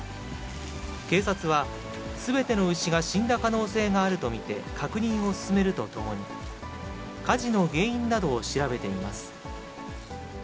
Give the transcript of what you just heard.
警察は、すべての牛が死んだ可能性があると見て確認を進めるとともに、火事の原因などを調べています。